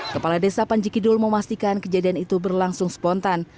kepala desa panji kidul memastikan kejadian itu berlangsung spontan